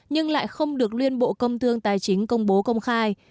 nhưng lại không được liên bộ công thương tài chính công bố công khai